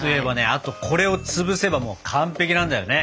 あとこれをつぶせばもう完璧なんだよね。